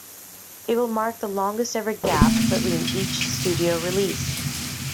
It will mark the longest ever gap between each studio release.